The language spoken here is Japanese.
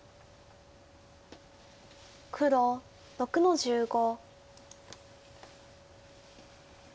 黒６の十五。